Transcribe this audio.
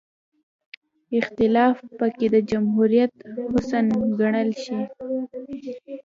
اختلاف پکې د جمهوریت حسن ګڼلی شي.